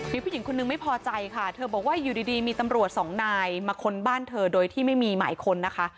มีผู้หญิงคนนึงไม่พอใจค่ะเธอบอกว่าอยู่ดีมีตำรวจสองนายมาค้นบ้านเธอโดยที่ไม่มีหมายค้นนะคะ